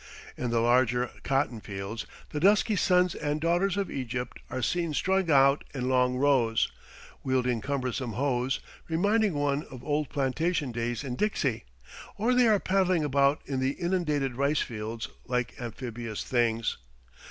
In the larger cotton fields the dusky sons and daughters of Egypt are seen strung out in long rows, wielding cumbersome hoes, reminding one of old plantation days in Dixie; or they are paddling about in the inundated rice fields like amphibious things.